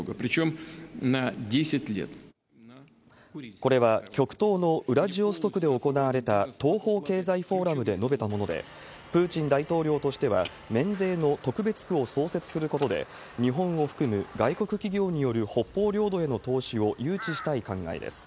これは極東のウラジオストクで行われた東方経済フォーラムで述べたもので、プーチン大統領としては免税の特別区を創設することで、日本を含む外国企業による北方領土への投資を誘致したい考えです。